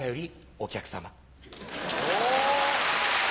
お！